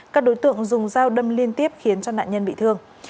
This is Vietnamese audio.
các đối tượng dùng dao đâm liên tiếp khiến cho nạn nhân bị thương